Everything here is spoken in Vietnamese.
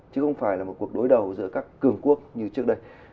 chứ không phải là một cuộc đối đầu giữa các cường quốc như trước đây